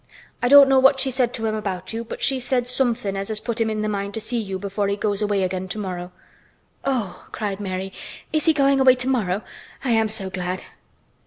I don't know what she said to him about you but she said somethin' as put him in th' mind to see you before he goes away again, tomorrow." "Oh!" cried Mary, "is he going away tomorrow? I am so glad!"